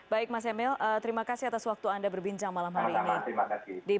baik mas emil terima kasih atas waktu anda berbincang malam hari ini